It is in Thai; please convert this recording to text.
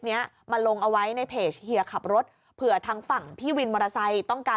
เนี้ยมาลงเอาไว้ในเพจเฮียขับรถเผื่อทางฝั่งพี่วินมอเตอร์ไซค์ต้องการ